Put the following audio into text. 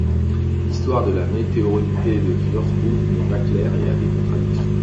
L'histoire de la météorité de Wurtzbourg n'est pas clair et a des contradictions.